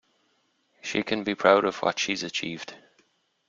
She can be proud of what she’s achieved